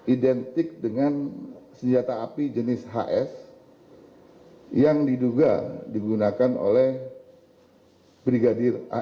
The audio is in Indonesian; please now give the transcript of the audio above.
identik dengan senjata api jenis hs yang diduga digunakan oleh brigadir a